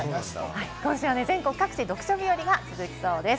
今週は全国各地、読書日和が続きそうです。